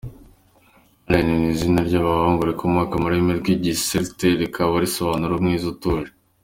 Alain ni izina ry’abahungu rikomoka mu rurimi rw’Igicelte rikaba risobanura “Umwiza utuje”.